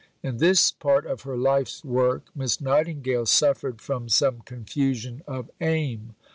In this part of her life's work Miss Nightingale suffered from some confusion of aim.